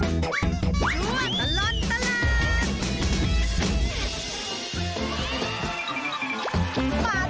ชั่วตลอดตลาด